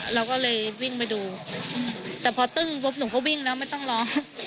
เราก็เลยวิ่งไปดูแต่พอตึ้งปุ๊บหนูก็วิ่งแล้วไม่ต้องร้อง